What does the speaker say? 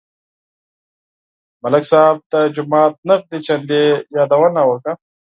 ملک صاحب د جومات نغدې چندې یادونه وکړه.